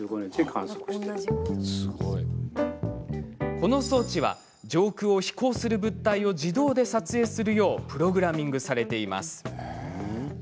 この装置は上空を飛行する物体を自動で撮影するようプログラミングされています。